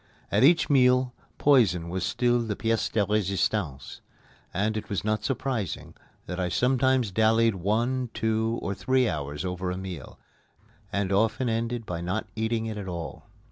At each meal, poison was still the pièce de résistance, and it was not surprising that I sometimes dallied one, two, or three hours over a meal, and often ended by not eating it at all.